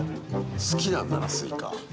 好きなんだな、スイカ。